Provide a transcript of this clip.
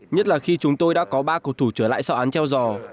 nhất là khi chúng tôi đã có ba cầu thủ trở lại sau án treo giò